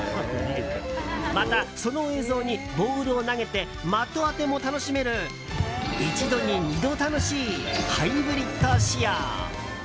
また、その映像にボールを投げて的当ても楽しめる一度に二度楽しいハイブリッド仕様。